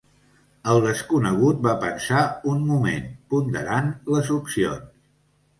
El desconegut va pensar un moment, ponderant les opcions.